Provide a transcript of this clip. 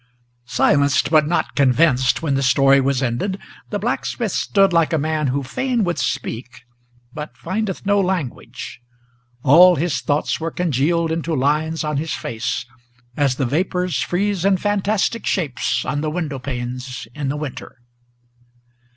Silenced, but not convinced, when the story was ended, the blacksmith Stood like a man who fain would speak, but findeth no language; All his thoughts were congealed into lines on his face, as the vapors Freeze in fantastic shapes on the window panes in the winter.